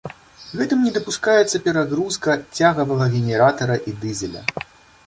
Гэтым не дапускаецца перагрузка цягавага генератара і дызеля.